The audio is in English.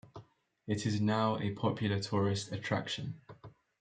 It is now a popular tourist attraction.